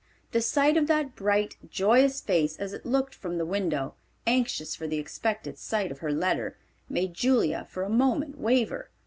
The sight of that bright, joyous face, as it looked from the window, anxious for the expected sight of her letter, made Julia for a moment waver.